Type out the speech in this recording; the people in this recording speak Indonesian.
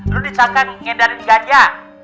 lo diselengkan ngedarin gajah